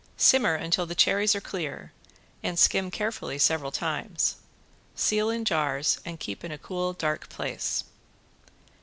Simmer until the cherries are clear, and skim carefully several times. Seal in jars and keep in a cool, dark place.